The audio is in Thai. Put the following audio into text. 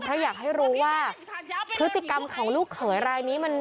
เพราะอยากให้รู้ว่าพฤติกรรมของลูกเขยรายนี้มัน